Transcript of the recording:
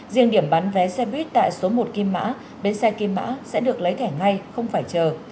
riêng điểm bán vé xe buýt tại số một kim mã bến xe kim mã sẽ được lấy thẻ ngay không phải chờ